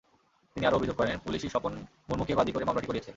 তিনি আরও অভিযোগ করেন, পুলিশই স্বপন মুরমুকে বাদী করে মামলাটি করিয়েছে।